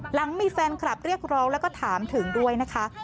หลังมีแฟนคลับเรียกร้องแล้วก็ถามถึงด้วยนะคะ